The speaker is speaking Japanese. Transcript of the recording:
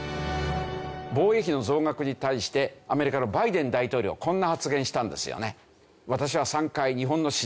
防衛費の増額に対してアメリカのバイデン大統領こんな発言したんですよね。